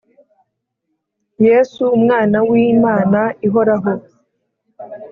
yesu umwana w’imana ihoraho